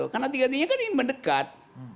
karena tiga ide kan ingin mendekat